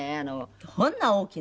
どんな大きな？